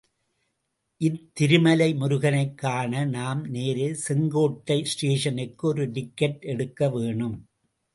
இத்திருமலை முருகனைக்காண நாம் நேரே செங்கோட்டை ஸ்டேஷனுக்கு ஒரு டிக்கட் எடுக்க வேணும்.